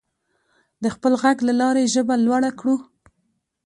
د خپل غږ له لارې ژبه لوړه کړو.